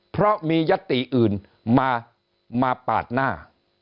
เพราะมียัตติอื่นมาปาดหน้า